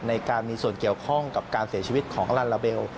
ในการมีส่วนเกี่ยวข้องกับการเสียชีวิตของลาลาเบล